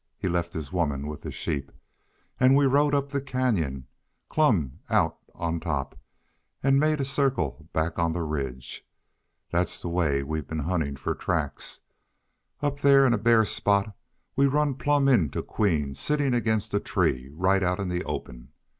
He left his woman with the sheep. An' we rode up the canyon, clumb out on top, an' made a circle back on the ridge. That's the way we've been huntin' fer tracks. Up thar in a bare spot we run plump into Queen sittin' against a tree, right out in the open.